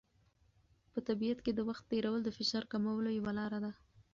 په طبیعت کې وخت تېرول د فشار کمولو یوه لاره ده.